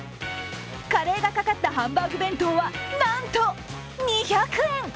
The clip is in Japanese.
カレーがかかったハンバーグ弁当は、なんと２００円。